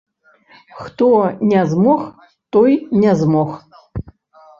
Хто не змог, той не змог.